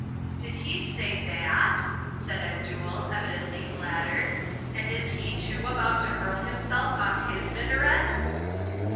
'" "Did he say that?" said Abdul, evidently flattered. "And is he too about to hurl himself off his minaret?"